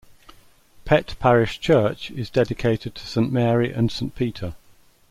Pett parish church is dedicated to Saint Mary and Saint Peter.